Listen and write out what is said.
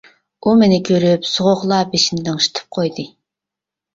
ئۇ مېنى كۆرۈپ سوغۇقلا بېشىنى لىڭشىتىپ قويدى.